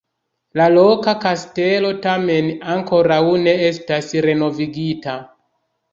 La loka kastelo tamen ankoraŭ ne estas renovigita.